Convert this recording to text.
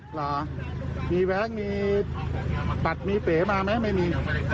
หรอมีแว๊กมีปัดมีเป๋มาไหมไม่มีปกติเนอะ